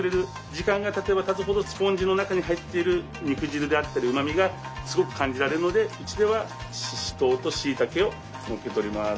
時間がたてばたつほどスポンジの中に入っている肉汁であったりうまみがすごく感じられるのでうちではししとうとしいたけをのっけております。